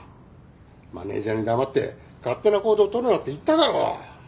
マネジャーに黙って勝手な行動をとるなって言っただろ！